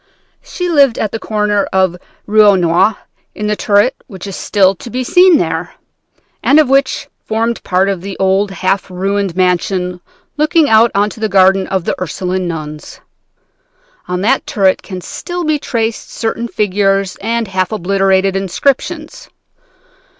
She lived at the corner of the Rue aux Nonnes, in the turret which is still to be seen there, and which formed part of an old half ruined mansion looking on to the garden of the Ursuline nuns. On that turret can still be traced certain figures and half obliterated inscriptions.